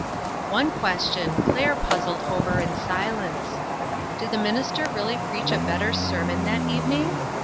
One question Claire puzzled over iu si lence: Did the minister really preach a better sermon that evening?